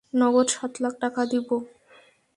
নগদ সাত লাখ টাকা দিব।